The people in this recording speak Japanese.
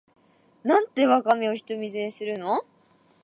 なんでワカメを独り占めするの